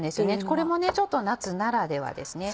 これもちょっと夏ならではですね。